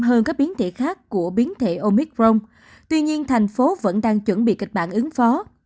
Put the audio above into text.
hơn các biến thể khác của biến thể omicron tuy nhiên thành phố vẫn đang chuẩn bị kịch bản ứng phó